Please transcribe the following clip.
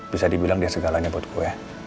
bisa dibilang dia segalanya buat gue